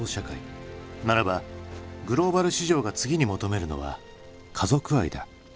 ならばグローバル市場が次に求めるのは家族愛だ。